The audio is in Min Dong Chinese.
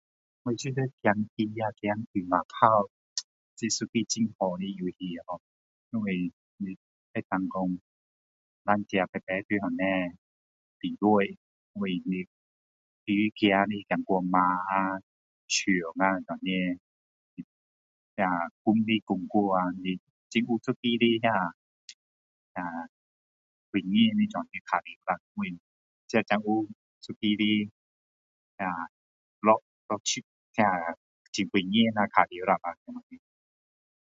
我觉得象棋走车马炮是一个很好的游戏hor 因为你可以说两个人一起在那边比赛因为你走的才去马呀象呀这样子那个攻来攻去呀很有一个的这个很爽的这个游戏啦才有一个的这个那个趣味的那个很舒服玩耍啦啦